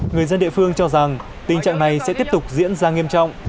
người dân địa phương cho rằng tình trạng này sẽ tiếp tục diễn ra nghiêm trọng